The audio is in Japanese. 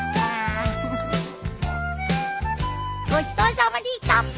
ごちそうさまでした！